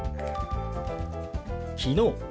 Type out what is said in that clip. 「昨日」。